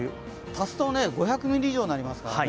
足すと５００ミリ以上になりますからね。